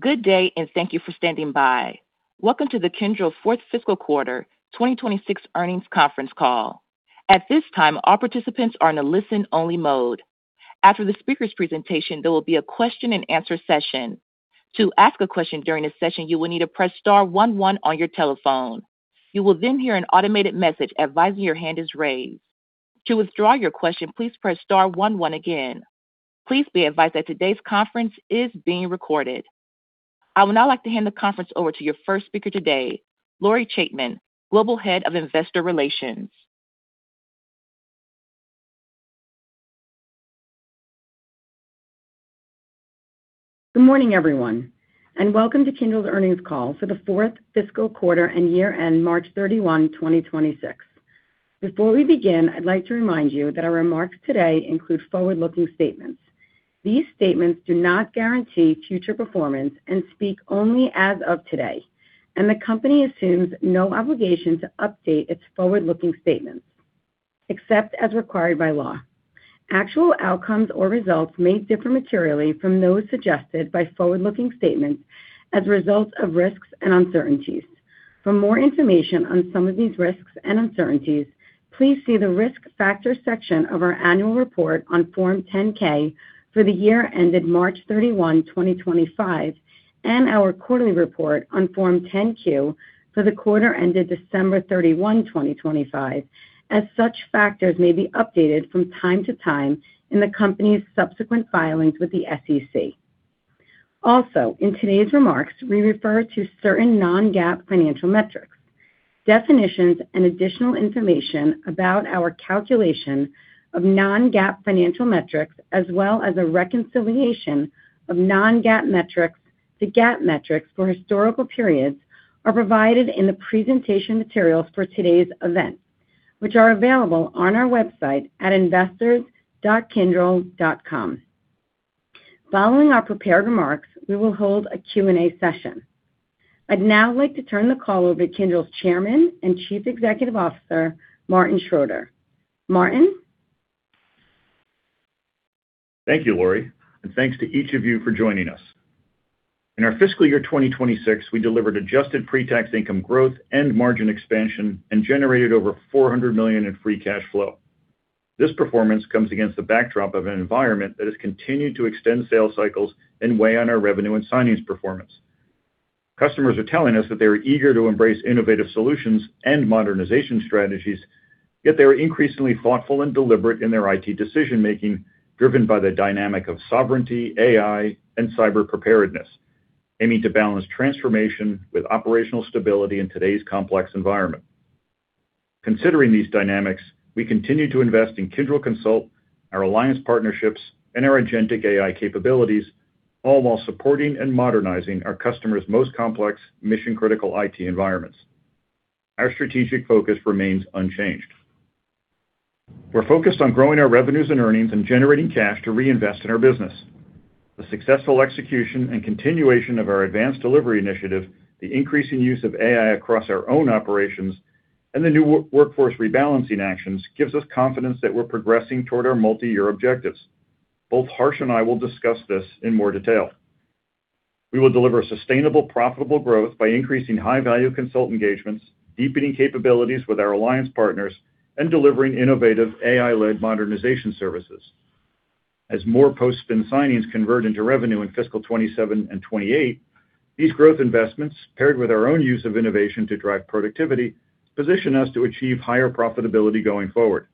Good day, and thank you for standing by. Welcome to the Kyndryl fourth fiscal quarter 2026 earnings conference call. At this time, all participants are in a listen-only mode. After the speaker's presentation, there will be a question-and-answer session. To ask a question during this session, you will need to press star one one on your telephone. You will then hear an automated message advising your hand is raised. To withdraw your question, please press star one one again. Please be advised that today's conference is being recorded. I would now like to hand the conference over to your first speaker today, Lori Chaitman, Global Head of Investor Relations. Good morning, everyone, and welcome to Kyndryl's earnings call for the fourth fiscal quarter and year-end March 31, 2026. Before we begin, I'd like to remind you that our remarks today include forward-looking statements. These statements do not guarantee future performance and speak only as of today, and the company assumes no obligation to update its forward-looking statements except as required by law. Actual outcomes or results may differ materially from those suggested by forward-looking statements as a result of risks and uncertainties. For more information on some of these risks and uncertainties, please see the Risk Factors section of our annual report on Form 10-K for the year ended March 31, 2025, and our quarterly report on Form 10-Q for the quarter ended December 31, 2025, as such factors may be updated from time to time in the company's subsequent filings with the SEC. Also, in today's remarks, we refer to certain non-GAAP financial metrics. Definitions and additional information about our calculation of non-GAAP financial metrics as well as a reconciliation of non-GAAP metrics to GAAP metrics for historical periods are provided in the presentation materials for today's event, which are available on our website at investors.kyndryl.com. Following our prepared remarks, we will hold a Q&A session. I'd now like to turn the call over to Kyndryl's Chairman and Chief Executive Officer, Martin Schroeter. Martin. Thank you, Lori, and thanks to each of you for joining us. In our fiscal year 2026, we delivered adjusted pre-tax income growth and margin expansion and generated over $400 million in free cash flow. This performance comes against the backdrop of an environment that has continued to extend sales cycles and weigh on our revenue and signings performance. Customers are telling us that they are eager to embrace innovative solutions and modernization strategies, yet they are increasingly thoughtful and deliberate in their IT decision-making, driven by the dynamic of sovereignty, AI, and cyber preparedness, aiming to balance transformation with operational stability in today's complex environment. Considering these dynamics, we continue to invest in Kyndryl Consult, our alliance partnerships, and our agentic AI capabilities, all while supporting and modernizing our customers' most complex mission-critical IT environments. Our strategic focus remains unchanged. We're focused on growing our revenues and earnings and generating cash to reinvest in our business. The successful execution and continuation of our Advanced Delivery initiative, the increasing use of AI across our own operations, and the new workforce rebalancing actions gives us confidence that we're progressing toward our multiyear objectives. Both Harsh and I will discuss this in more detail. We will deliver sustainable, profitable growth by increasing high-value consult engagements, deepening capabilities with our alliance partners, and delivering innovative AI-led modernization services. As more post-spin signings convert into revenue in fiscal 2027 and 2028, these growth investments, paired with our own use of innovation to drive productivity, position us to achieve higher profitability going forward.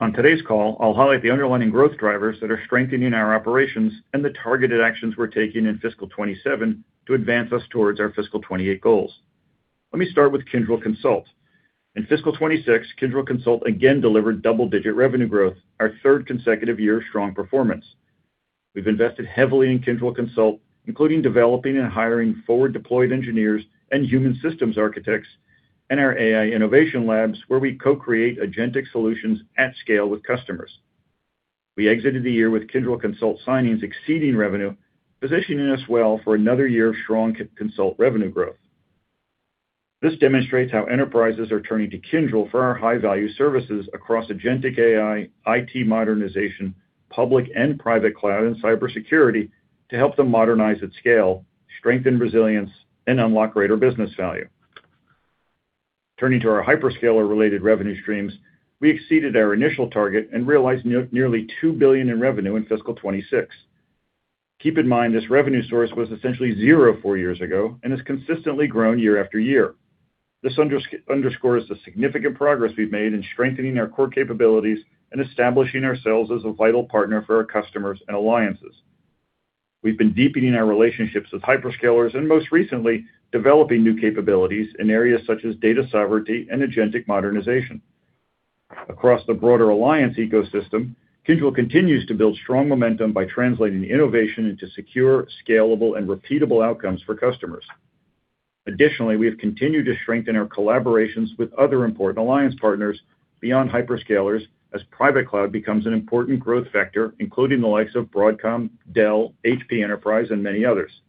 On today's call, I'll highlight the underlying growth drivers that are strengthening our operations and the targeted actions we're taking in fiscal 2027 to advance us towards our fiscal 2028 goals. Let me start with Kyndryl Consult. In fiscal 2026, Kyndryl Consult again delivered double-digit revenue growth, our third consecutive year of strong performance. We've invested heavily in Kyndryl Consult, including developing and hiring forward-deployed engineers and human systems architects in our AI innovation labs, where we co-create agentic solutions at scale with customers. We exited the year with Kyndryl Consult signings exceeding revenue, positioning us well for another year of strong Consult revenue growth. This demonstrates how enterprises are turning to Kyndryl for our high-value services across agentic AI, IT modernization, public and private cloud, and cybersecurity to help them modernize at scale, strengthen resilience, and unlock greater business value. Turning to our hyperscaler-related revenue streams, we exceeded our initial target and realized nearly $2 billion in revenue in fiscal 2026. Keep in mind, this revenue source was essentially zero four years ago and has consistently grown year after year. This underscores the significant progress we've made in strengthening our core capabilities and establishing ourselves as a vital partner for our customers and alliances. We've been deepening our relationships with hyperscalers and, most recently, developing new capabilities in areas such as data sovereignty and agentic modernization. Across the broader alliance ecosystem, Kyndryl continues to build strong momentum by translating innovation into secure, scalable, and repeatable outcomes for customers. Additionally, we have continued to strengthen our collaborations with other important alliance partners beyond hyperscalers as private cloud becomes an important growth factor, including the likes of Broadcom, Dell, HP Enterprise, and many others.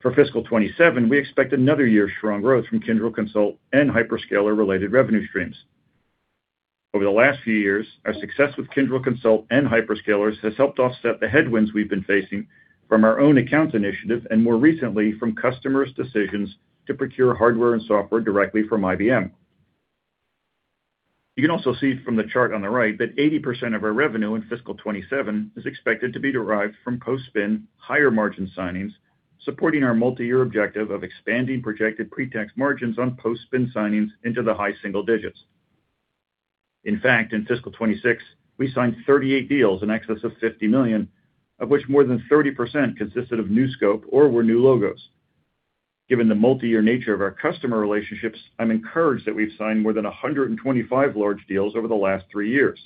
For fiscal 2027, we expect another year of strong growth from Kyndryl Consult and hyperscaler-related revenue streams. Over the last few years, our success with Kyndryl Consult and hyperscalers has helped offset the headwinds we've been facing from our own accounts initiative, and more recently, from customers' decisions to procure hardware and software directly from IBM. You can also see from the chart on the right that 80% of our revenue in fiscal 2027 is expected to be derived from post-spin higher margin signings, supporting our multi-year objective of expanding projected pre-tax margins on post-spin signings into the high single digits. In fact, in fiscal 2026, we signed 38 deals in excess of $50 million, of which more than 30% consisted of new scope or were new logos. Given the multi-year nature of our customer relationships, I'm encouraged that we've signed more than 125 large deals over the last three years.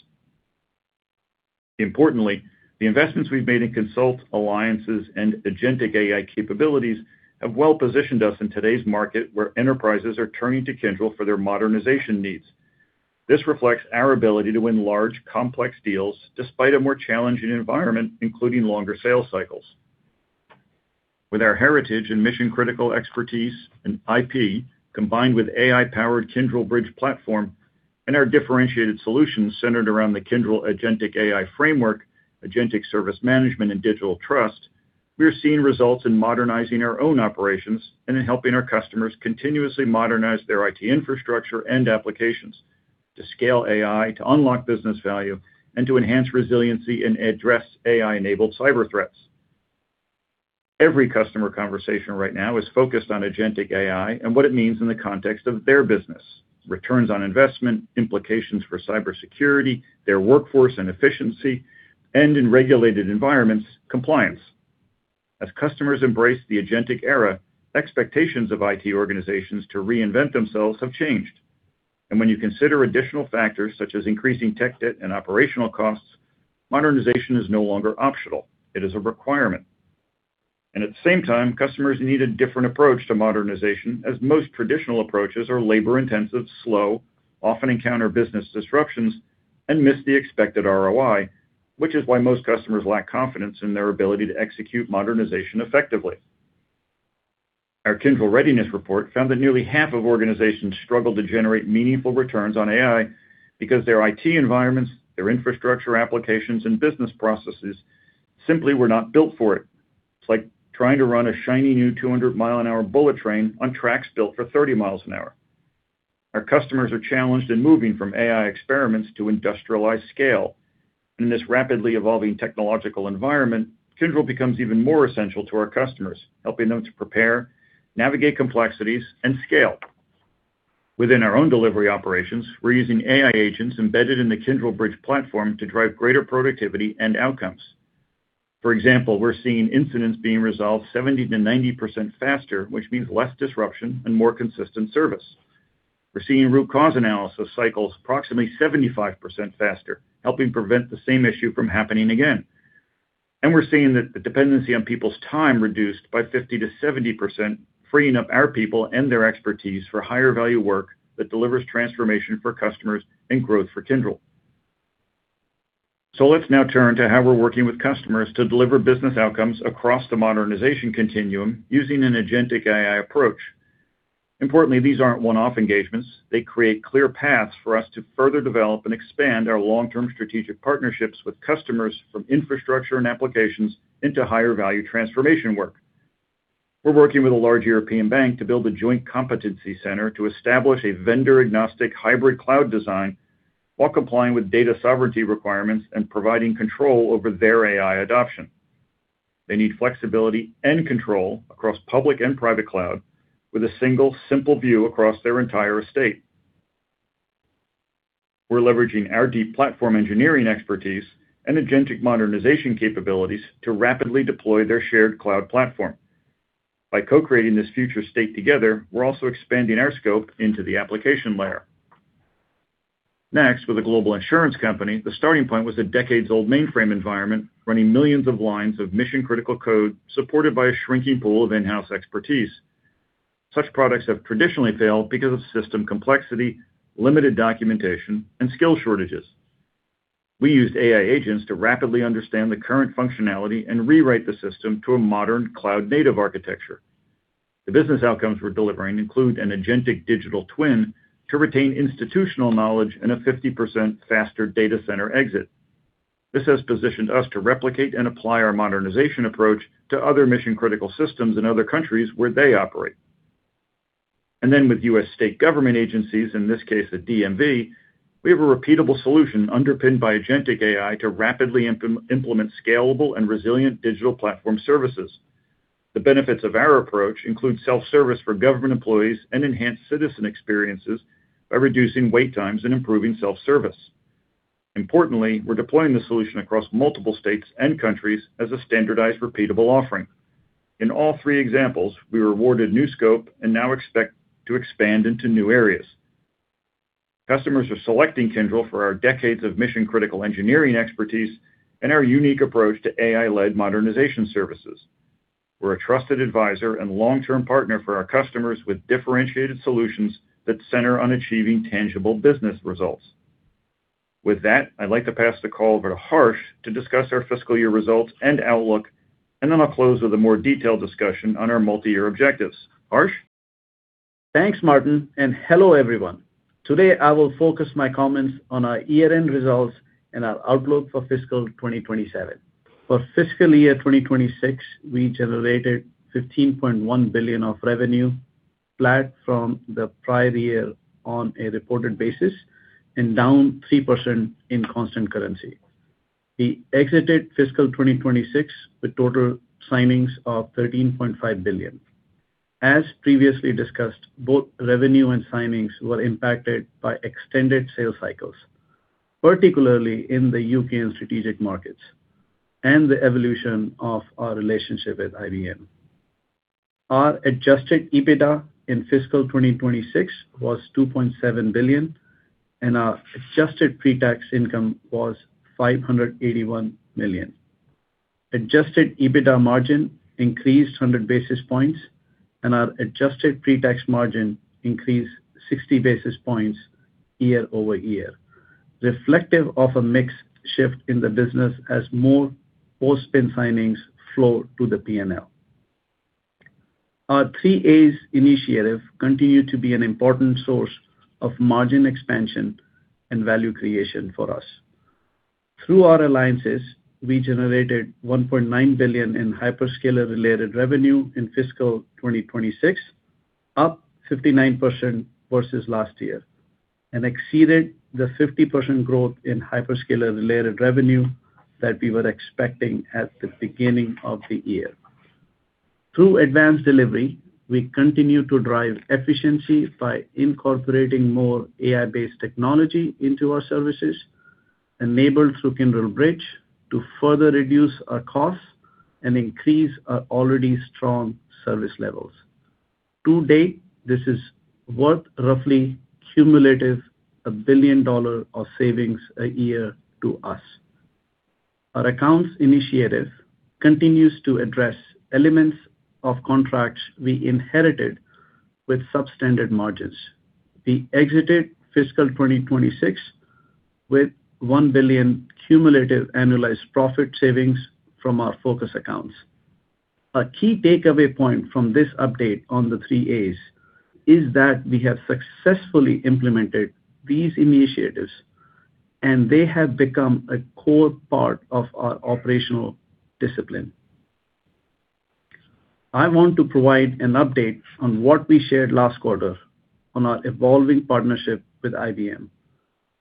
Importantly, the investments we've made in Consult, Alliances, and agentic AI capabilities have well-positioned us in today's market, where enterprises are turning to Kyndryl for their modernization needs. This reflects our ability to win large, complex deals despite a more challenging environment, including longer sales cycles. With our heritage and mission-critical expertise and IP, combined with AI-powered Kyndryl Bridge platform and our differentiated solutions centered around the Kyndryl Agentic AI Framework, Agentic Service Management, and Digital Trust, we are seeing results in modernizing our own operations and in helping our customers continuously modernize their IT infrastructure and applications to scale AI, to unlock business value, and to enhance resiliency and address AI-enabled cyber threats. Every customer conversation right now is focused on agentic AI and what it means in the context of their business, returns on investment, implications for cybersecurity, their workforce and efficiency, and in regulated environments, compliance. As customers embrace the agentic era, expectations of IT organizations to reinvent themselves have changed. When you consider additional factors, such as increasing tech debt and operational costs, modernization is no longer optional. It is a requirement. At the same time, customers need a different approach to modernization, as most traditional approaches are labor-intensive, slow, often encounter business disruptions, and miss the expected ROI, which is why most customers lack confidence in their ability to execute modernization effectively. Our Kyndryl Readiness Report found that nearly half of organizations struggle to generate meaningful returns on AI because their IT environments, their infrastructure applications, and business processes simply were not built for it. It's like trying to run a shiny new 200 mph bullet train on tracks built for 30 mph. Our customers are challenged in moving from AI experiments to industrialized scale. In this rapidly evolving technological environment, Kyndryl becomes even more essential to our customers, helping them to prepare, navigate complexities, and scale. Within our own delivery operations, we're using AI agents embedded in the Kyndryl Bridge platform to drive greater productivity and outcomes. For example, we're seeing incidents being resolved 70%-90% faster, which means less disruption and more consistent service. We're seeing root cause analysis cycles approximately 75% faster, helping prevent the same issue from happening again. We're seeing that the dependency on people's time reduced by 50%-70%, freeing up our people and their expertise for higher value work that delivers transformation for customers and growth for Kyndryl. Let's now turn to how we're working with customers to deliver business outcomes across the modernization continuum using an agentic AI approach. Importantly, these aren't one-off engagements. They create clear paths for us to further develop and expand our long-term strategic partnerships with customers from infrastructure and applications into higher value transformation work. We're working with a large European bank to build a joint competency center to establish a vendor-agnostic hybrid cloud design while complying with data sovereignty requirements and providing control over their AI adoption. They need flexibility and control across public and private cloud with a single simple view across their entire estate. We're leveraging our deep platform engineering expertise and agentic modernization capabilities to rapidly deploy their shared cloud platform. By co-creating this future state together, we're also expanding our scope into the application layer. Next, with a global insurance company, the starting point was a decades-old mainframe environment running millions of lines of mission-critical code supported by a shrinking pool of in-house expertise. Such products have traditionally failed because of system complexity, limited documentation, and skill shortages. We used AI agents to rapidly understand the current functionality and rewrite the system to a modern cloud-native architecture. The business outcomes we're delivering include an agentic Digital Twin to retain institutional knowledge and a 50% faster data center exit. This has positioned us to replicate and apply our modernization approach to other mission-critical systems in other countries where they operate. Then with U.S. state government agencies, in this case a DMV, we have a repeatable solution underpinned by agentic AI to rapidly implement scalable and resilient digital platform services. The benefits of our approach include self-service for government employees and enhanced citizen experiences by reducing wait times and improving self-service. Importantly, we're deploying the solution across multiple states and countries as a standardized, repeatable offering. In all three examples, we were awarded new scope and now expect to expand into new areas. Customers are selecting Kyndryl for our decades of mission-critical engineering expertise and our unique approach to AI-led modernization services. We're a trusted advisor and long-term partner for our customers with differentiated solutions that center on achieving tangible business results. With that, I'd like to pass the call over to Harsh to discuss our fiscal year results and outlook, then I'll close with a more detailed discussion on our multi-year objectives. Harsh? Thanks, Martin. Hello, everyone. Today, I will focus my comments on our year-end results and our outlook for fiscal 2027. For fiscal year 2026, we generated $15.1 billion of revenue, flat from the prior year on a reported basis, and down 3% in constant currency. We exited fiscal 2026 with total signings of $13.5 billion. As previously discussed, both revenue and signings were impacted by extended sales cycles, particularly in the U.K. and strategic markets, and the evolution of our relationship with IBM. Our adjusted EBITDA in fiscal 2026 was $2.7 billion, and our adjusted pretax income was $581 million. Adjusted EBITDA margin increased 100 basis points, and our adjusted pretax margin increased 60 basis points year-over-year, reflective of a mix shift in the business as more post-spin signings flow to the P&L. Our three-A's initiatives continued to be an important source of margin expansion and value creation for us. Through our alliances, we generated $1.9 billion in hyperscaler-related revenue in fiscal 2026, up 59% versus last year, and exceeded the 50% growth in hyperscaler-related revenue that we were expecting at the beginning of the year. Through Advanced Delivery, we continue to drive efficiency by incorporating more AI-based technology into our services, enabled through Kyndryl Bridge to further reduce our costs and increase our already strong service levels. To date, this is worth roughly cumulative $1 billion of savings a year to us. Our Accounts initiative continues to address elements of contracts we inherited with substandard margins. We exited fiscal 2026 with $1 billion cumulative annualized profit savings from our focus accounts. A key takeaway point from this update on the three-A's is that we have successfully implemented these initiatives, they have become a core part of our operational discipline. I want to provide an update on what we shared last quarter on our evolving partnership with IBM,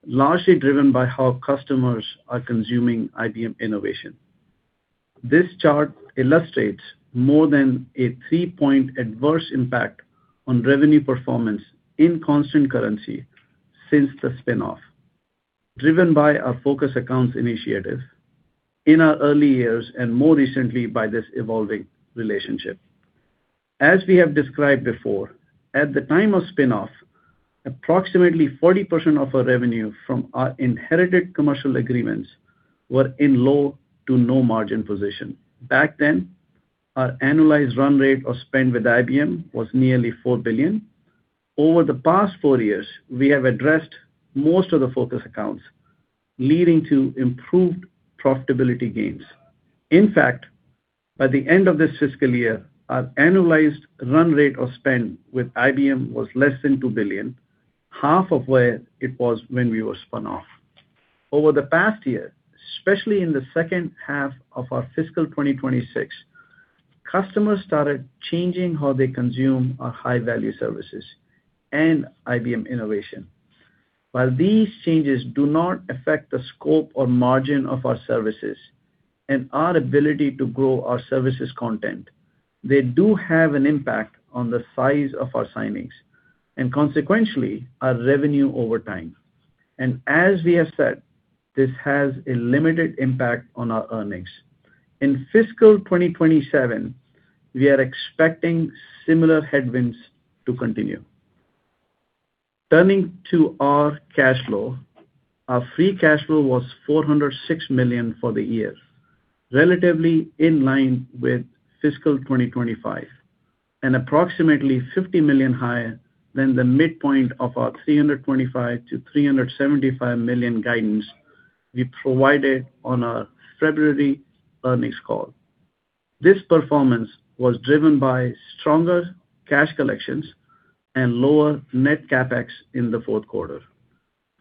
largely driven by how customers are consuming IBM innovation. This chart illustrates more than a three-point adverse impact on revenue performance in constant currency since the spin-off, driven by our focus accounts initiative in our early years and more recently by this evolving relationship. As we have described before, at the time of spin-off, approximately 40% of our revenue from our inherited commercial agreements were in low to no margin position. Back then, our annualized run rate of spend with IBM was nearly $4 billion. Over the past four years, we have addressed most of the focus accounts, leading to improved profitability gains. In fact, by the end of this fiscal year, our annualized run rate of spend with IBM was less than $2 billion, half of where it was when we were spun off. Over the past year, especially in the second half of our fiscal 2026, customers started changing how they consume our high-value services and IBM innovation. While these changes do not affect the scope or margin of our services and our ability to grow our services content, they do have an impact on the size of our signings and consequentially, our revenue over time. As we have said, this has a limited impact on our earnings. In fiscal 2027, we are expecting similar headwinds to continue. Turning to our cash flow, our free cash flow was $406 million for the year, relatively in line with fiscal 2025, and approximately $50 million higher than the midpoint of our $325 million-$375 million guidance we provided on our February earnings call. This performance was driven by stronger cash collections and lower net CapEx in the fourth quarter.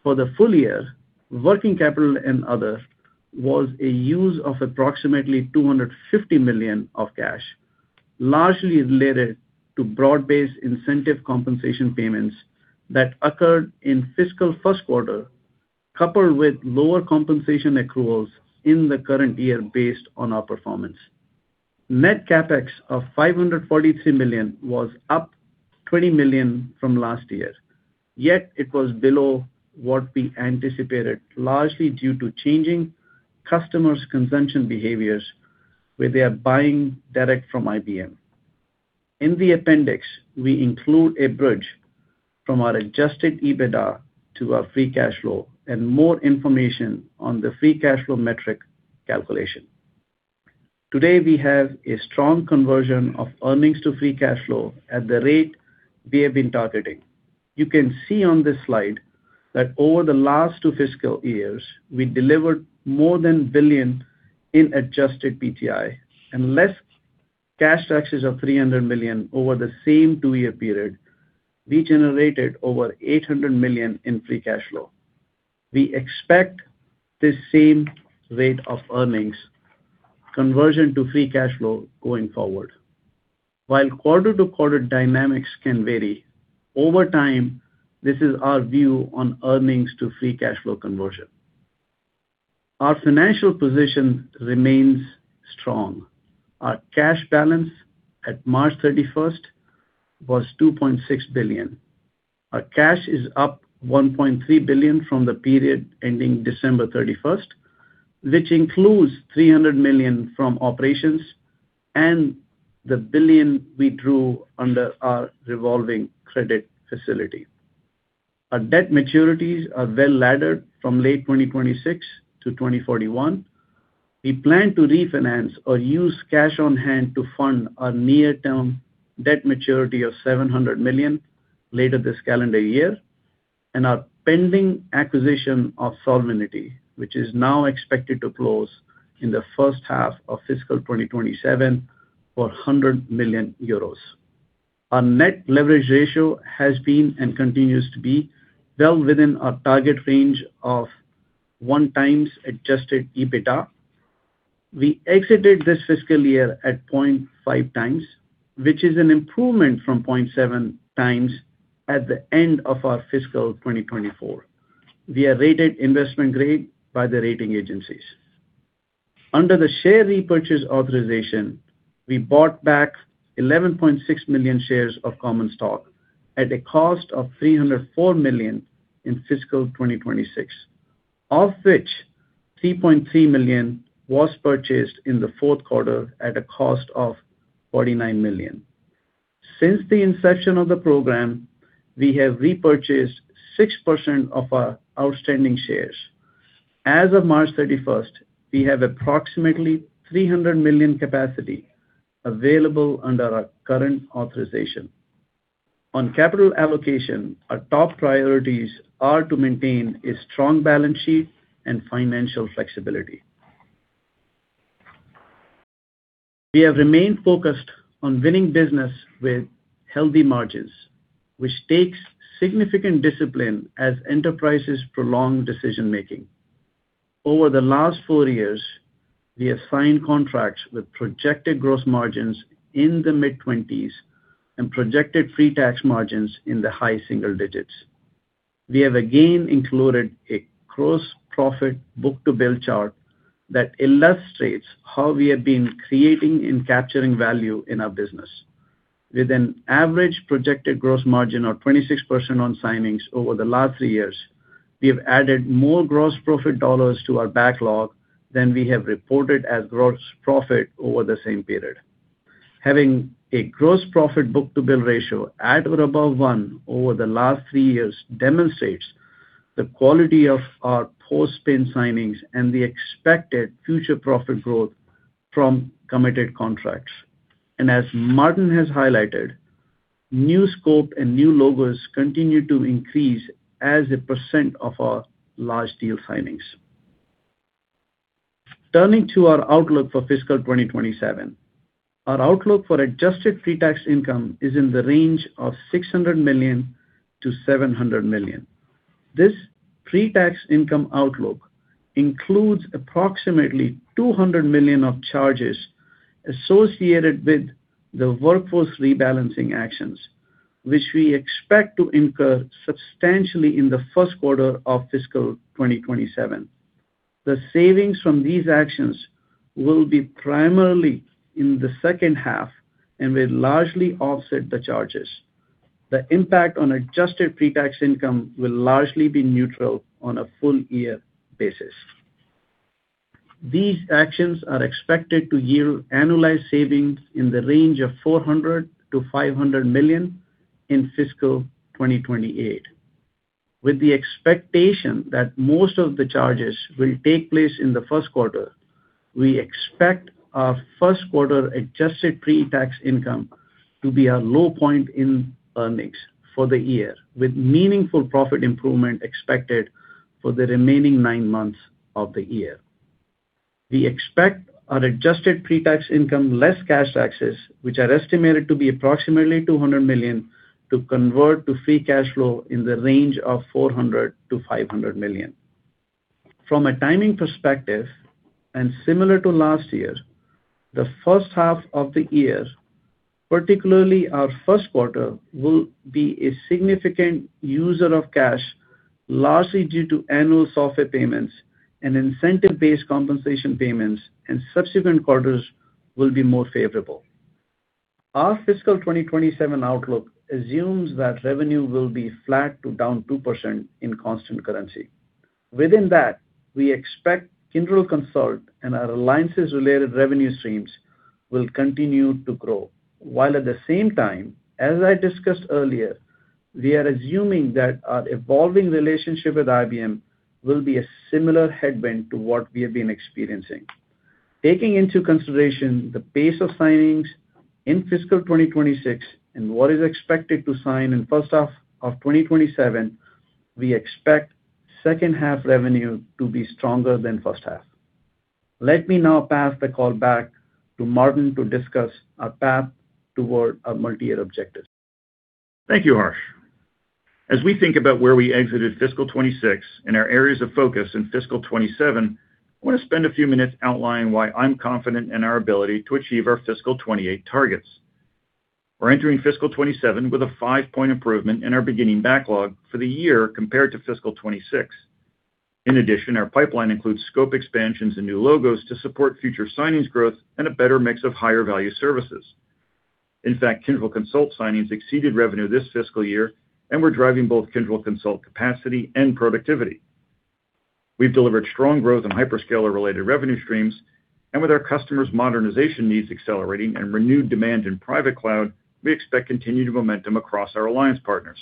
For the full year, working capital and other was a use of approximately $250 million of cash, largely related to broad-based incentive compensation payments that occurred in fiscal first quarter, coupled with lower compensation accruals in the current year based on our performance. Net CapEx of $543 million was up $20 million from last year, yet it was below what we anticipated, largely due to changing customers' consumption behaviors where they are buying direct from IBM. In the appendix, we include a bridge from our adjusted EBITDA to our free cash flow and more information on the free cash flow metric calculation. Today, we have a strong conversion of earnings to free cash flow at the rate we have been targeting. You can see on this slide that over the last two fiscal years, we delivered more than $1 billion in adjusted pre-tax income and less cash taxes of $300 million. Over the same two-year period, we generated over $800 million in free cash flow. We expect this same rate of earnings conversion to free cash flow going forward. While quarter-to-quarter dynamics can vary, over time, this is our view on earnings to free cash flow conversion. Our financial position remains strong. Our cash balance at March 31st was $2.6 billion. Our cash is up $1.3 billion from the period ending December 31st, which includes $300 million from operations and the $1 billion we drew under our revolving credit facility. Our debt maturities are well-laddered from late 2026 to 2041. We plan to refinance or use cash on hand to fund our near-term debt maturity of $700 million later this calendar year and our pending acquisition of Solvinity, which is now expected to close in the first half of fiscal 2027 for 100 million euros. Our net leverage ratio has been and continues to be well within our target range of 1x adjusted EBITDA. We exited this fiscal year at 0.5x, which is an improvement from 0.7x at the end of our fiscal 2024. We are rated investment grade by the rating agencies. Under the share repurchase authorization, we bought back 11.6 million shares of common stock at a cost of $304 million in fiscal 2026, of which $3.3 million was purchased in the fourth quarter at a cost of $49 million. Since the inception of the program, we have repurchased 6% of our outstanding shares. As of March 31st, we have approximately $300 million capacity available under our current authorization. On capital allocation, our top priorities are to maintain a strong balance sheet and financial flexibility. We have remained focused on winning business with healthy margins, which takes significant discipline as enterprises prolong decision-making. Over the last four years, we have signed contracts with projected gross margins in the mid-20s and projected pre-tax margins in the high single digits. We have again included a gross profit book-to-bill chart that illustrates how we have been creating and capturing value in our business. With an average projected gross margin of 26% on signings over the last three years, we have added more gross profit dollars to our backlog than we have reported as gross profit over the same period. Having a gross profit book-to-bill ratio at or above 1x over the last three years demonstrates the quality of our post-spin signings and the expected future profit growth from committed contracts. As Martin has highlighted, new scope and new logos continue to increase as a percent of our large deal signings. Turning to our outlook for fiscal 2027. Our outlook for adjusted pretax income is in the range of $600 million-$700 million. This pre-tax income outlook includes approximately $200 million of charges associated with the workforce rebalancing actions, which we expect to incur substantially in the first quarter of fiscal 2027. The savings from these actions will be primarily in the second half and will largely offset the charges. The impact on adjusted pre-tax income will largely be neutral on a full year basis. These actions are expected to yield annualized savings in the range of $400 million-$500 million in fiscal 2028. With the expectation that most of the charges will take place in the first quarter, we expect our first quarter adjusted pre-tax income to be our low point in earnings for the year, with meaningful profit improvement expected for the remaining nine months of the year. We expect our adjusted pre-tax income less cash taxes, which are estimated to be approximately $200 million, to convert to free cash flow in the range of $400 million-$500 million. From a timing perspective, similar to last year, the first half of the year, particularly our first quarter, will be a significant user of cash, largely due to annual software payments and incentive-based compensation payments. Subsequent quarters will be more favorable. Our fiscal 2027 outlook assumes that revenue will be flat to down 2% in constant currency. Within that, we expect Kyndryl Consult and our alliances-related revenue streams will continue to grow. While at the same time, as I discussed earlier, we are assuming that our evolving relationship with IBM will be a similar headwind to what we have been experiencing. Taking into consideration the pace of signings in fiscal 2026 and what is expected to sign in first half of 2027, we expect second half revenue to be stronger than first half. Let me now pass the call back to Martin to discuss our path toward our multi-year objectives. Thank you, Harsh. As we think about where we exited fiscal 2026 and our areas of focus in fiscal 2027, I want to spend a few minutes outlining why I'm confident in our ability to achieve our fiscal 2028 targets. We're entering fiscal 2027 with a five-point improvement in our beginning backlog for the year compared to fiscal 2026. In addition, our pipeline includes scope expansions and new logos to support future signings growth and a better mix of higher value services. In fact, Kyndryl Consult signings exceeded revenue this fiscal year and were driving both Kyndryl Consult capacity and productivity. We've delivered strong growth in hyperscaler-related revenue streams, and with our customers' modernization needs accelerating and renewed demand in private cloud, we expect continued momentum across our alliance partners.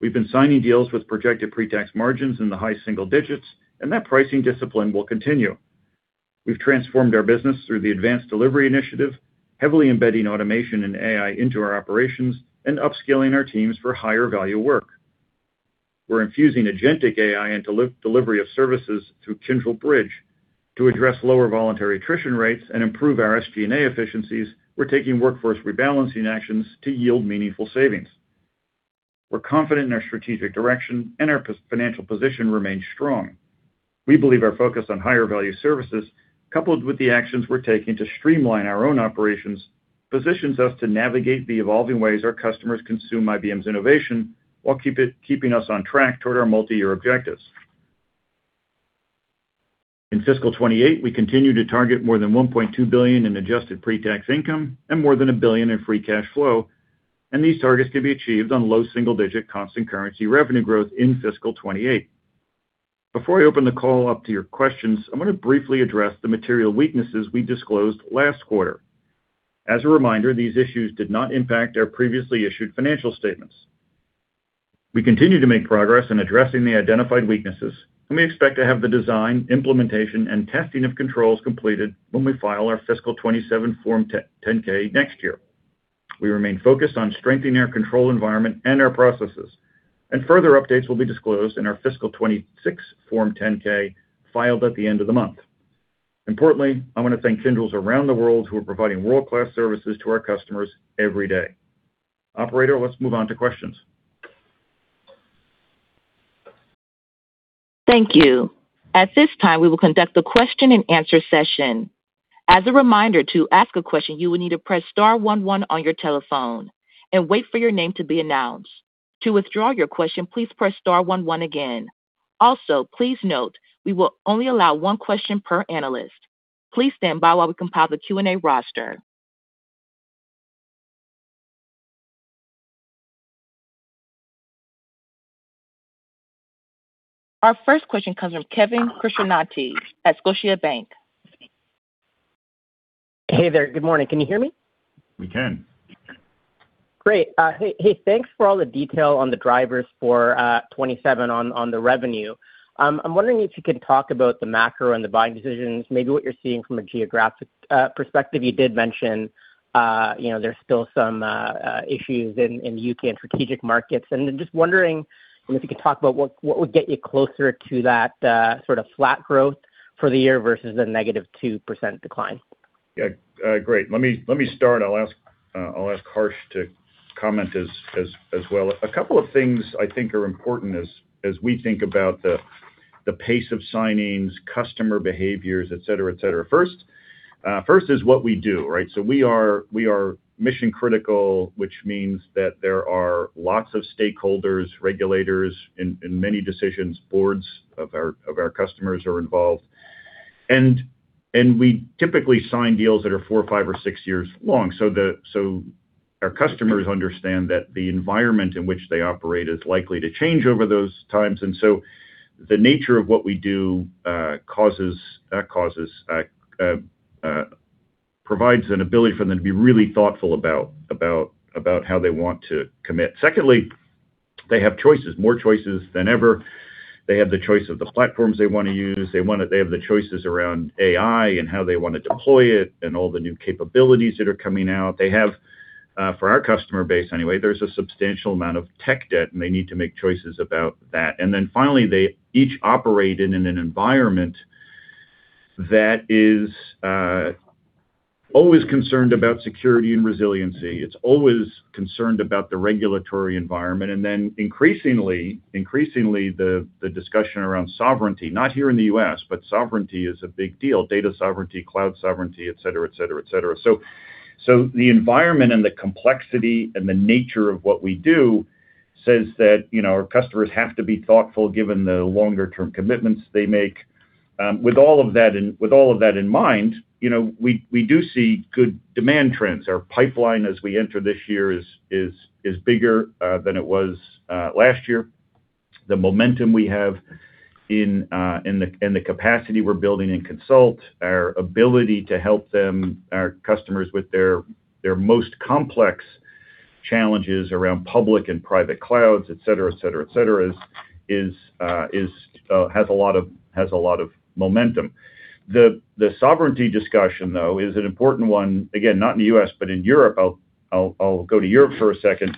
We've been signing deals with projected pre-tax margins in the high single digits, and that pricing discipline will continue. We've transformed our business through the Advanced Delivery initiative, heavily embedding automation and AI into our operations and upskilling our teams for higher value work. We're infusing agentic AI into delivery of services through Kyndryl Bridge. To address lower voluntary attrition rates and improve our SG&A efficiencies, we're taking workforce rebalancing actions to yield meaningful savings. We're confident in our strategic direction, and our financial position remains strong. We believe our focus on higher value services, coupled with the actions we're taking to streamline our own operations, positions us to navigate the evolving ways our customers consume IBM's innovation while keeping us on track toward our multi-year objectives. In fiscal 2028, we continue to target more than $1.2 billion in adjusted pre-tax income and more than $1 billion in free cash flow. These targets can be achieved on low single-digit constant currency revenue growth in fiscal 2028. Before I open the call up to your questions, I'm going to briefly address the material weaknesses we disclosed last quarter. As a reminder, these issues did not impact our previously issued financial statements. We continue to make progress in addressing the identified weaknesses. We expect to have the design, implementation, and testing of controls completed when we file our fiscal 2027 Form 10-K next year. We remain focused on strengthening our control environment and our processes. Further updates will be disclosed in our fiscal 2026 Form 10-K filed at the end of the month. Importantly, I want to thank Kyndryl around the world who are providing world-class services to our customers every day. Operator, let's move on to questions. Thank you. At this time, we will conduct a question and answer session. As a reminder, to ask a question, you will need to press star one one on your telephone and wait for your name to be announced. To withdraw your question, please press star one one again. Also, please note we will only allow one question per analyst. Please stand by while we compile the Q&A roster. Our first question comes from Kevin Krishnaratne at Scotiabank. Hey there. Good morning. Can you hear me? We can. Great. Thanks for all the detail on the drivers for 2027 on the revenue. I'm wondering if you can talk about the macro and the buying decisions, maybe what you're seeing from a geographic perspective. You did mention, you know, there's still some issues in the U.K. and strategic markets. Just wondering if you could talk about what would get you closer to that sort of flat growth for the year versus the -2% decline. Yeah. Great. Let me start. I'll ask Harsh to comment as well. A couple of things I think are important as we think about the pace of signings, customer behaviors, et cetera, et cetera. First, first is what we do, right? We are, we are mission-critical, which means that there are lots of stakeholders, regulators in many decisions, boards of our, of our customers are involved. We typically sign deals that are four, five, or six years long. Our customers understand that the environment in which they operate is likely to change over those times. The nature of what we do, causes, provides an ability for them to be really thoughtful about how they want to commit. Secondly, they have choices, more choices than ever. They have the choice of the platforms they wanna use. They have the choices around AI and how they want to deploy it and all the new capabilities that are coming out. They have, for our customer base anyway, there's a substantial amount of tech debt, and they need to make choices about that. Finally, they each operate in an environment that is always concerned about security and resiliency. It's always concerned about the regulatory environment. Increasingly, the discussion around sovereignty, not here in the U.S., but sovereignty is a big deal. Data sovereignty, cloud sovereignty, et cetera, et cetera, et cetera. The environment and the complexity and the nature of what we do says that, you know, our customers have to be thoughtful given the longer-term commitments they make. With all of that in mind, you know, we do see good demand trends. Our pipeline as we enter this year is bigger than it was last year. The momentum we have in the capacity we're building in consult, our ability to help them, our customers with their most complex challenges around public and private clouds, et cetera, et cetera, et cetera, is, has a lot of momentum. The sovereignty discussion, though, is an important one, again, not in the U.S., but in Europe. I'll go to Europe for a second,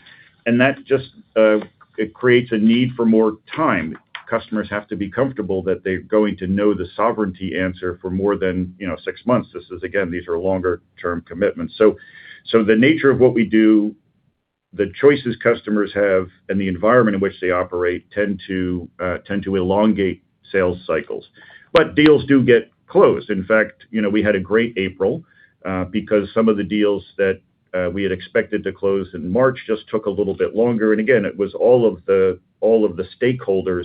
it creates a need for more time. Customers have to be comfortable that they're going to know the sovereignty answer for more than, you know, six months. This is, again, these are longer-term commitments. The nature of what we do, the choices customers have, and the environment in which they operate tend to elongate sales cycles. Deals do get closed. In fact, you know, we had a great April because some of the deals that we had expected to close in March just took a little bit longer. Again, it was all of the stakeholders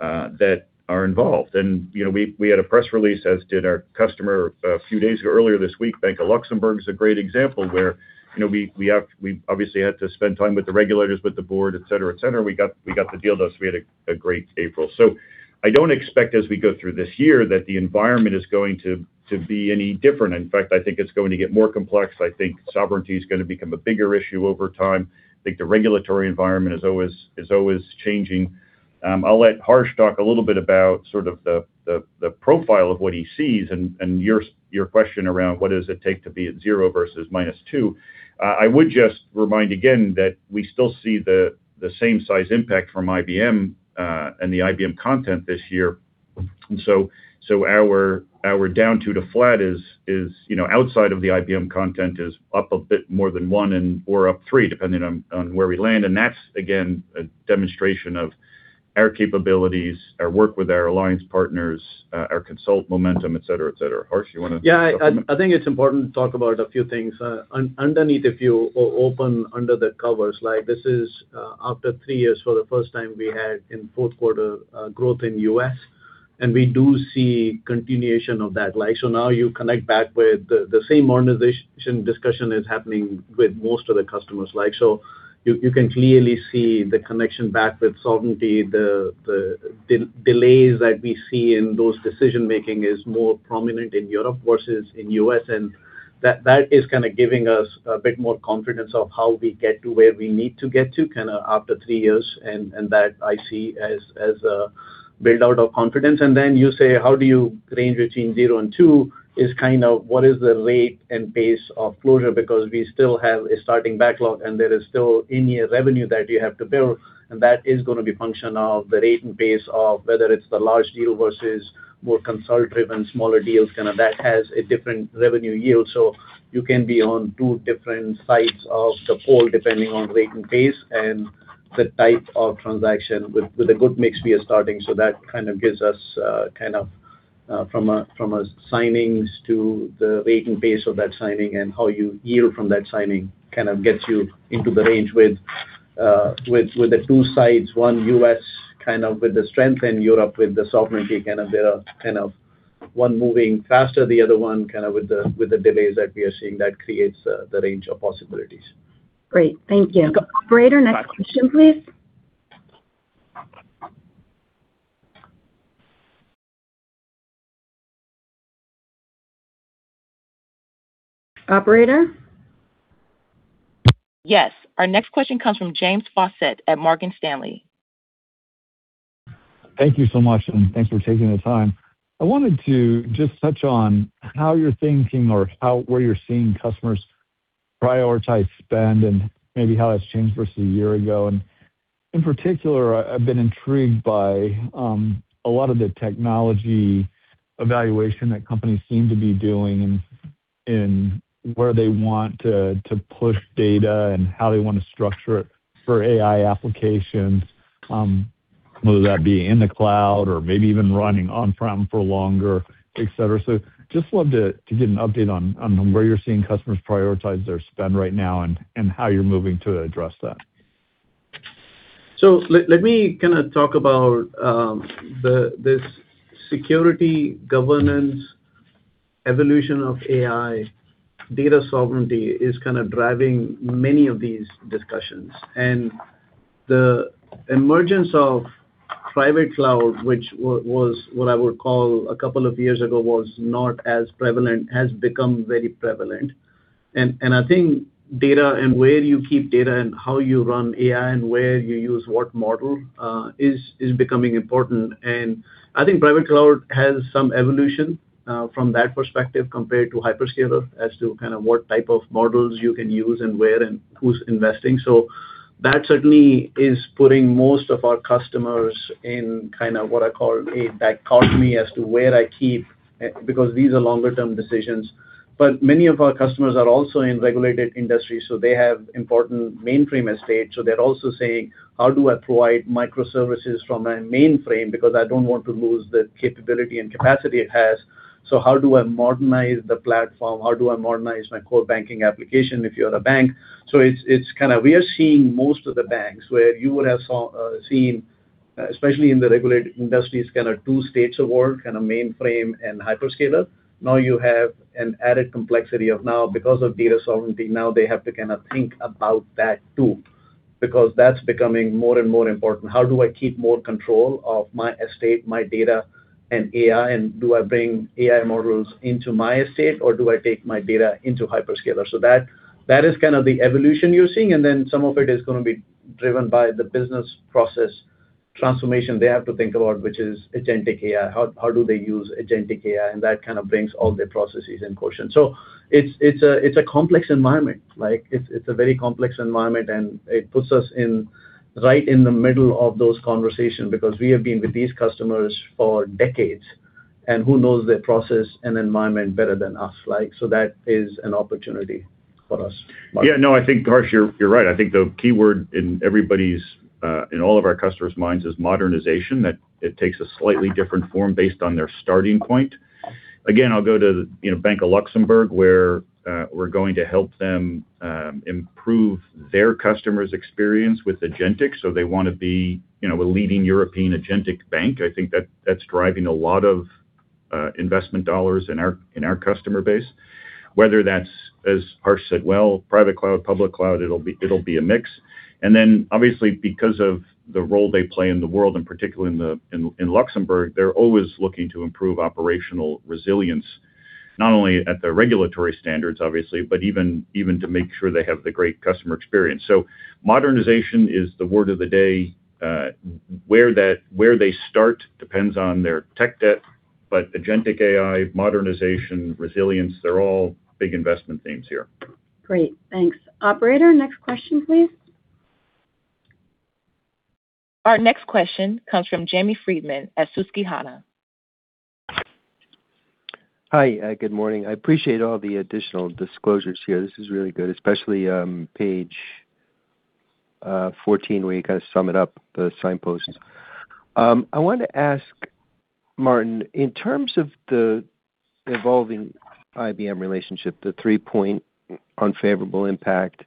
that are involved. You know, we had a press release, as did our customer a few days earlier this week. Banque de Luxembourg is a great example where, you know, we obviously had to spend time with the regulators, with the board, et cetera, et cetera. We got the deal though, so we had a great April. I don't expect as we go through this year that the environment is going to be any different. In fact, I think it's going to get more complex. I think sovereignty is going to become a bigger issue over time. I think the regulatory environment is always changing. I'll let Harsh talk a little bit about sort of the profile of what he sees and your question around what does it take to be at 0% versus -2%. I would just remind again that we still see the same size impact from IBM and the IBM content this year. Our down 2% to flat is, you know, outside of the IBM content, is up a bit more than 1% and or up 3%, depending on where we land. That's again, a demonstration of our capabilities, our work with our alliance partners, our Consult momentum, et cetera, et cetera. Harsh. Yeah. Go for it. I think it's important to talk about a few things underneath if you open under the covers. Like this is after three years, for the first time we had in fourth quarter growth in U.S., and we do see continuation of that. Like, now you connect back with the same modernization discussion is happening with most of the customers. Like, you can clearly see the connection back with sovereignty. The delays that we see in those decision-making is more prominent in Europe versus in U.S. That is kinda giving us a bit more confidence of how we get to where we need to get to kinda after three years. That I see as a build out of confidence. You say, how do you range between 0% and 2% is kind of what is the rate and pace of closure because we still have a starting backlog, and there is still in-year revenue that you have to build, and that is gonna be function of the rate and pace of whether it's the large deal versus more consult-driven smaller deals. Kind of that has a different revenue yield. You can be on two different sides of the pole, depending on rate and pace and the type of transaction with the good mix we are starting. That kind of gives us, kind of, from a, from a signings to the rate and pace of that signing and how you yield from that signing kind of gets you into the range with, with the two sides, one U.S. kind of with the strength in Europe, with the Solvinity, kind of there are kind of one moving faster, the other one kind of with the, with the delays that we are seeing that creates, the range of possibilities. Great. Thank you. You're welcome. Operator, next question, please. Operator? Yes. Our next question comes from James Faucette at Morgan Stanley. Thank you so much, and thanks for taking the time. I wanted to just touch on how you're thinking or how where you're seeing customers prioritize spend and maybe how that's changed versus a year ago. In particular, I've been intrigued by a lot of the technology evaluation that companies seem to be doing in where they want to push data and how they want to structure it for AI applications, whether that be in the cloud or maybe even running on-prem for longer, et cetera. Just love to get an update on where you're seeing customers prioritize their spend right now and how you're moving to address that. Let me kind of talk about this security governance evolution of AI. Data sovereignty is kind of driving many of these discussions. The emergence of private cloud, which was what I would call a couple of years ago was not as prevalent, has become very prevalent. I think data and where you keep data and how you run AI and where you use what model is becoming important. I think private cloud has some evolution from that perspective compared to hyperscaler as to kind of what type of models you can use and where and who's investing. That certainly is putting most of our customers in kind of what I call a dichotomy as to where I keep, because these are longer-term decisions. Many of our customers are also in regulated industries, so they have important mainframe estate. They're also saying, "How do I provide microservices from a mainframe? Because I don't want to lose the capability and capacity it has." How do I modernize the platform? How do I modernize my core banking application," if you're a bank. It's kind of we are seeing most of the banks where you would have seen, especially in the regulated industries, kind of two states of work, kind of mainframe and hyperscaler. Now you have an added complexity of now because of data sovereignty, now they have to kind of think about that too. Because that's becoming more and more important. How do I keep more control of my estate, my data, and AI? Do I bring AI models into my estate, or do I take my data into hyperscaler? That is kind of the evolution you're seeing, and then some of it is going to be driven by the business process transformation they have to think about, which is agentic AI. How do they use agentic AI? That kind of brings all the processes in question. It's a complex environment. Like, it's a very complex environment, and it puts us right in the middle of those conversations because we have been with these customers for decades. Who knows their process and environment better than us, like, so that is an opportunity for us. Yeah, no, I think, Harsh, you're right. I think the key word in everybody's, in all of our customers' minds is modernization, that it takes a slightly different form based on their starting point. Again, I'll go to, you know, Banque de Luxembourg, where we're going to help them improve their customers' experience with agentic. They wanna be, you know, a leading European agentic bank. I think that's driving a lot of investment dollars in our customer base. Whether that's, as Harsh said, well, private cloud, public cloud, it'll be a mix. Obviously because of the role they play in the world, in particular in the, in Luxembourg, they're always looking to improve operational resilience, not only at the regulatory standards obviously, but even to make sure they have the great customer experience. Modernization is the word of the day. Where they start depends on their tech debt, but agentic AI, modernization, resilience, they're all big investment themes here. Great. Thanks. Operator, next question please. Our next question comes from Jamie Friedman at Susquehanna. Hi. Good morning. I appreciate all the additional disclosures here. This is really good, especially, page 14, where you kind of sum it up, the signposts. I wanted to ask, Martin, in terms of the evolving IBM relationship, the three-point unfavorable impact,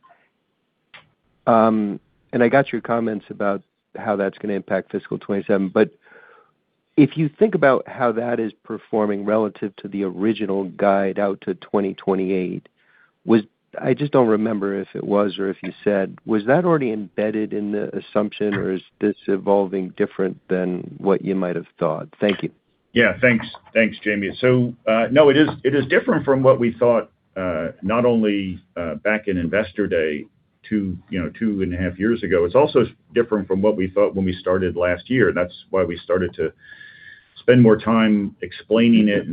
and I got your comments about how that's gonna impact fiscal 2027, but if you think about how that is performing relative to the original guide out to 2028, was I just don't remember if it was or if you said, was that already embedded in the assumption, or is this evolving different than what you might have thought? Thank you. Thanks. Thanks, Jamie. No, it is different from what we thought, not only back in Investor Day, you know, two and a half years ago, it's also different from what we thought when we started last year. That's why we started to spend more time explaining it,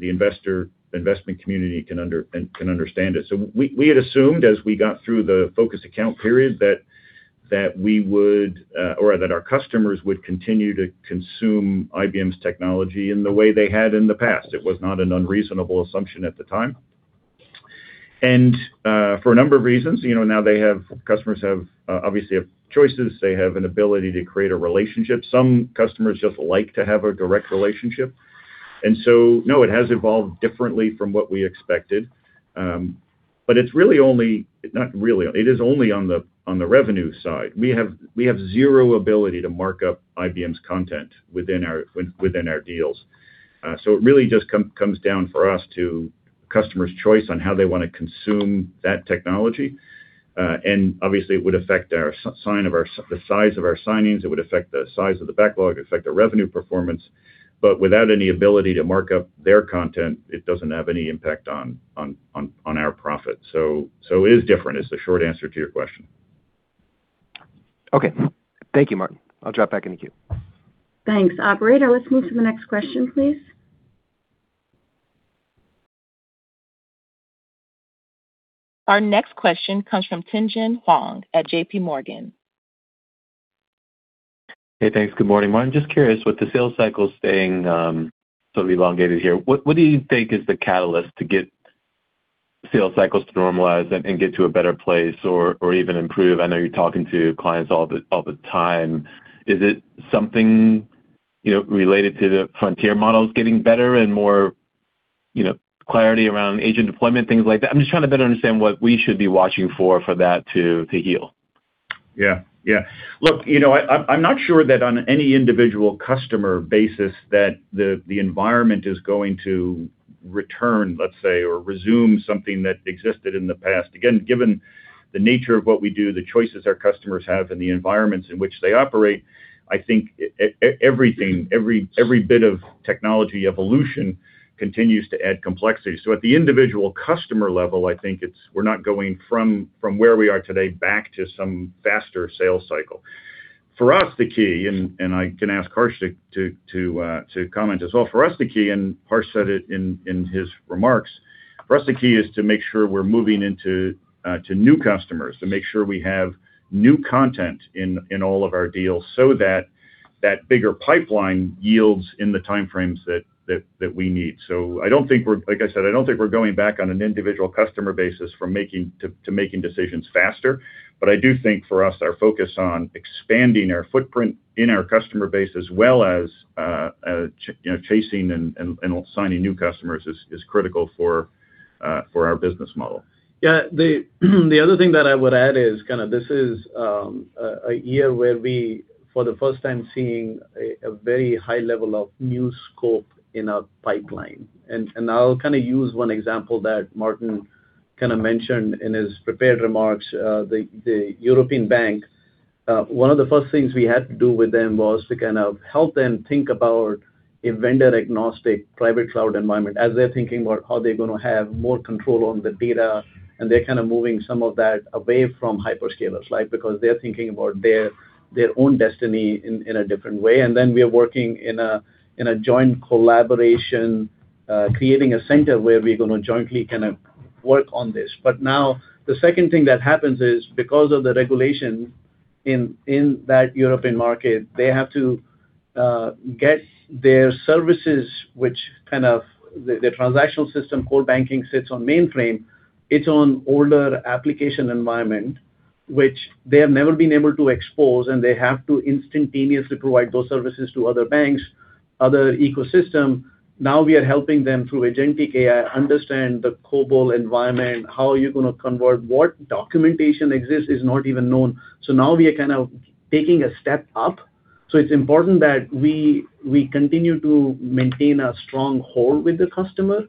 the investor, investment community can understand it. We had assumed as we got through the focus account period that we would, or that our customers would continue to consume IBM's technology in the way they had in the past. It was not an unreasonable assumption at the time. For a number of reasons, you know, now customers have obviously have choices. They have an ability to create a relationship. Some customers just like to have a direct relationship. No, it has evolved differently from what we expected. It's really only not really, it is only on the, on the revenue side. We have zero ability to mark up IBM's content within our, within our deals. It really just comes down for us to customer's choice on how they wanna consume that technology. Obviously it would affect our sign of the size of our signings. It would affect the size of the backlog. It would affect the revenue performance. Without any ability to mark up their content, it doesn't have any impact on our profit. It is different, is the short answer to your question. Okay. Thank you, Martin. I'll drop back in the queue. Thanks. Operator, let's move to the next question please. Our next question comes from Tien-tsin Huang at JPMorgan. Hey, thanks. Good morning. Martin, just curious, with the sales cycle staying sort of elongated here, what do you think is the catalyst to get sales cycles to normalize and get to a better place or even improve? I know you're talking to clients all the time. Is it something, you know, related to the frontier models getting better and more, you know, clarity around agent deployment, things like that? I'm just trying to better understand what we should be watching for that to heal. Yeah. Yeah. Look, you know, I'm not sure that on any individual customer basis that the environment is going to return, let's say, or resume something that existed in the past. Again, given the nature of what we do, the choices our customers have and the environments in which they operate, I think everything, every bit of technology evolution continues to add complexity. At the individual customer level, I think it's, we're not going from where we are today back to some faster sales cycle. For us, the key, and I can ask Harsh to comment as well. For us, the key, Harsh said it in his remarks, for us, the key is to make sure we're moving into to new customers, to make sure we have new content in all of our deals so that that bigger pipeline yields in the time frames that we need. I don't think we're like I said, I don't think we're going back on an individual customer basis from making to making decisions faster. I do think for us, our focus on expanding our footprint in our customer base as well as, you know, chasing and signing new customers is critical for our business model. Yeah. The other thing that I would add is kinda this is a year where we, for the first time, seeing a very high level of new scope in our pipeline. I'll kind of use one example that Martin kind of mentioned in his prepared remarks. The European bank. One of the first things we had to do with them was to kind of help them think about a vendor-agnostic private cloud environment as they're thinking about how they're gonna have more control on the data, and they're kinda moving some of that away from hyperscalers, right? Because they're thinking about their own destiny in a different way. Then we are working in a joint collaboration, creating a center where we're gonna jointly kinda work on this. Now the second thing that happens is, because of the regulation in that European market, they have to get their services, which kind of the transactional system, core banking sits on mainframe. It's on older application environment, which they have never been able to expose, and they have to instantaneously provide those services to other banks, other ecosystem. We are helping them through agentic AI understand the COBOL environment, how you're gonna convert. What documentation exists is not even known. Now we are kind of taking a step up, so it's important that we continue to maintain a strong hold with the customer,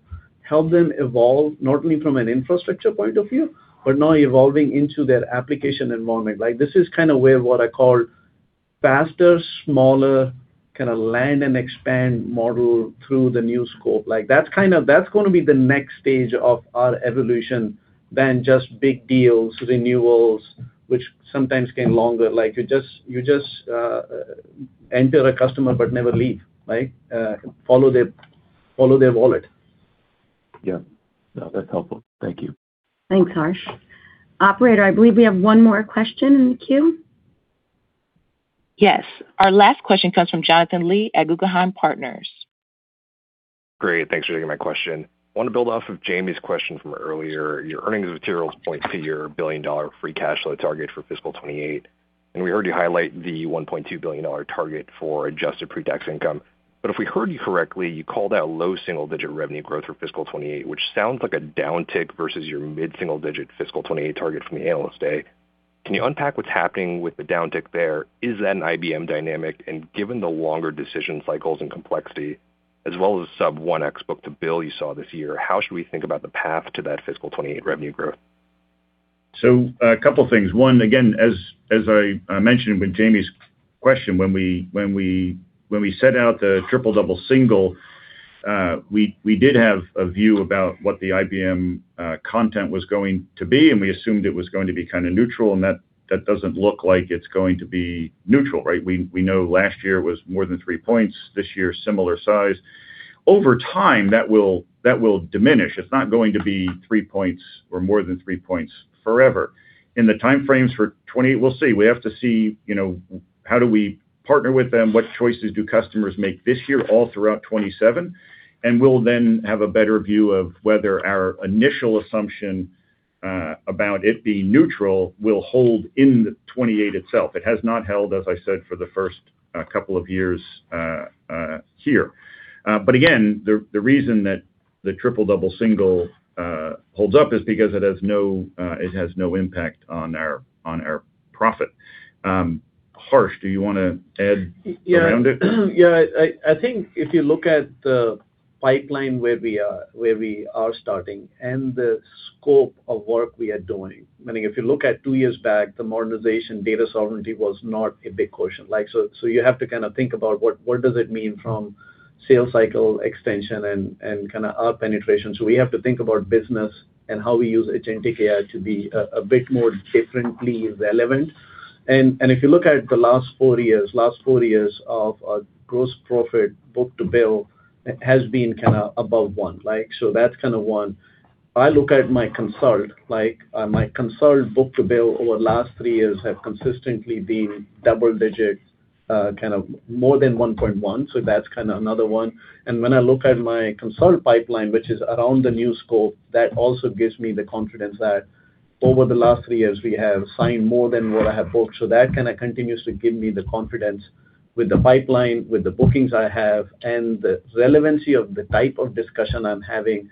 help them evolve, not only from an infrastructure point of view, but now evolving into their application environment. This is kind of where what I call faster, smaller, kinda land and expand model through the new scope. Like that's going to be the next stage of our evolution than just big deals, renewals, which sometimes can longer. Like you just enter a customer but never leave, right? Follow their wallet. Yeah. No, that's helpful. Thank you. Thanks, Harsh. Operator, I believe we have one more question in the queue. Yes. Our last question comes from Jonathan Lee at Guggenheim Partners. Great. Thanks for taking my question. Want to build off of Jamie's question from earlier. Your earnings materials point to your $1 billion free cash flow target for fiscal 2028, and we heard you highlight the $1.2 billion target for adjusted pretax income. If we heard you correctly, you called out low single-digit revenue growth for fiscal 2028, which sounds like a downtick versus your mid-single digit fiscal 2028 target from the Investor Day. Can you unpack what's happening with the downtick there? Is that an IBM dynamic? Given the longer decision cycles and complexity, as well as sub 1x book-to-bill you saw this year, how should we think about the path to that fiscal 2028 revenue growth? A couple things. One, again, as I mentioned with Jamie's question, when we set out the triple, double, single, we did have a view about what the IBM content was going to be, and we assumed it was going to be kind of neutral, and that doesn't look like it's going to be neutral, right. We know last year was more than three points. This year, similar size. Over time, that will diminish. It's not going to be three points or more than three points forever. In the time frames for 2028, we'll see. We have to see, you know, how do we partner with them, what choices do customers make this year all throughout 2027, and we'll then have a better view of whether our initial assumption about it being neutral will hold in the 2028 itself. It has not held, as I said, for the first couple of years here. Again, the reason that the triple, double, single holds up is because it has no impact on our profit. Harsh, do you wanna add around it? Yeah. I think if you look at the pipeline where we are starting and the scope of work we are doing. Meaning if you look at two years back, the modernization data sovereignty was not a big quotient. Like, you have to kind of think about what does it mean from sales cycle extension and kinda our penetration. We have to think about business and how we use agentic AI to be a bit more differently relevant. If you look at the last four years, our gross profit book-to-bill has been kinda above one. Like, that's kind of one. If I look at my consult, my consult book-to-bill over last three years have consistently been double-digit, kind of more than 1.1, so that's kinda another one. When I look at my consult pipeline, which is around the new scope, that also gives me the confidence that over the last three years we have signed more than what I have booked. That kinda continuously give me the confidence with the pipeline, with the bookings I have, and the relevancy of the type of discussion I'm having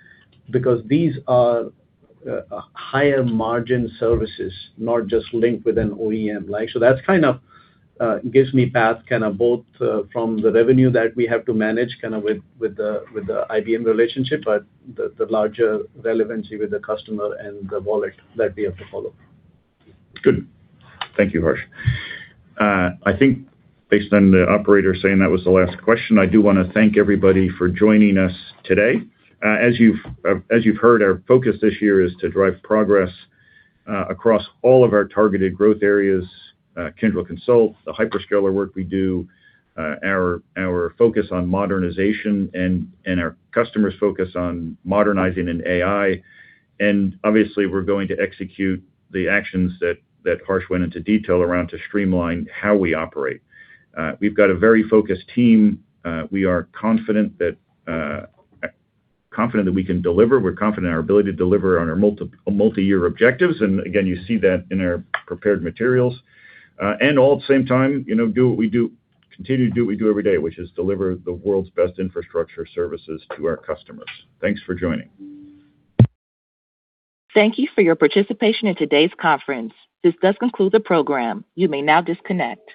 because these are higher-margin services, not just linked with an OEM. Like, that's kind of, gives me path kinda both, from the revenue that we have to manage kinda with the IBM relationship, but the larger relevancy with the customer and the wallet that we have to follow. Good. Thank you, Harsh. I think based on the operator saying that was the last question, I do wanna thank everybody for joining us today. As you've, as you've heard, our focus this year is to drive progress across all of our targeted growth areas, Kyndryl Consult, the hyperscaler work we do, our focus on modernization and our customers' focus on modernizing in AI. Obviously, we're going to execute the actions that Harsh went into detail around to streamline how we operate. We've got a very focused team. We are confident that we can deliver. We're confident in our ability to deliver on our multi-year objectives, and again, you see that in our prepared materials. All at the same time, you know, do what we do, continue to do what we do every day, which is deliver the world's best infrastructure services to our customers. Thanks for joining. Thank you for your participation in today's conference. This does conclude the program. You may now disconnect.